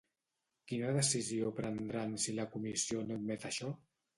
Quina decisió prendran si la Comissió no admet això?